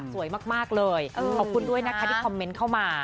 สวยมากเลยขอบคุณด้วยนะคะที่คอมเมนต์เข้ามา